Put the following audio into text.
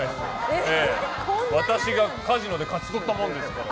私がカジノで勝ち取ったものですから。